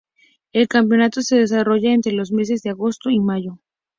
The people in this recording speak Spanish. El campeonato se desarrolla entre los meses de agosto y mayo.